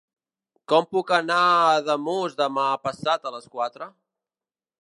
Com puc anar a Ademús demà passat a les quatre?